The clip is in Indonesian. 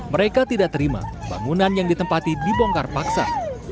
mereka tidak terima bangunan yang ditempati dibongkar paksa